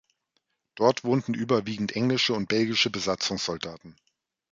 Dort wohnten überwiegend englische und belgische Besatzungssoldaten.